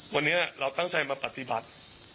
วันนี้เราตั้งใจมาปฏิบัติ